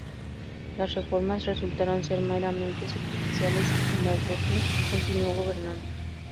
Las reformas resultaron ser meramente superficiales y Mobutu continuó gobernando.